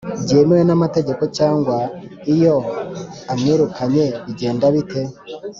byemewe n’amategeko cyangwa iyo amwirukanye bigenda bite?